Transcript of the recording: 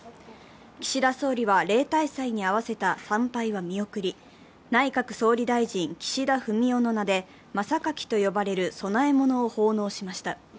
岸田総理は例大祭に合わせた参拝は見送り内閣総理大臣・岸田文雄の名で、真榊と呼ばれる供え物を奉納しました。